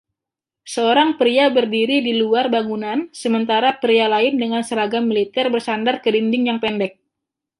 Seorang pria berdiri di luar bangunan sementara pria lain dengan seragam militer bersandar ke dinding yang pendek